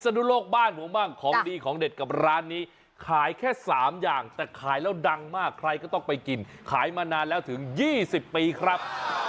นุโลกบ้านผมบ้างของดีของเด็ดกับร้านนี้ขายแค่๓อย่างแต่ขายแล้วดังมากใครก็ต้องไปกินขายมานานแล้วถึง๒๐ปีครับ